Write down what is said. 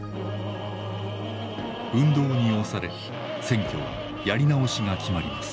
運動に押され選挙はやり直しが決まります。